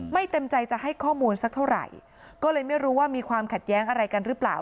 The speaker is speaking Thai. เต็มใจจะให้ข้อมูลสักเท่าไหร่ก็เลยไม่รู้ว่ามีความขัดแย้งอะไรกันหรือเปล่า